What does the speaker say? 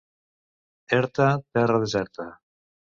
Erta, terra deserta.